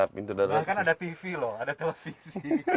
bahkan ada tv loh ada televisi